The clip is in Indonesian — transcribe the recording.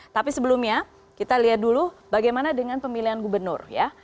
tapi sebelumnya kita lihat dulu bagaimana dengan pemilihan gubernur ya